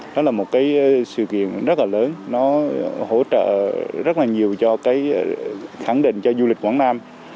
đó là một cái sự kiện rất là lớn nó hỗ trợ rất là nhiều cho cái khẳng định cho du lịch quảng nam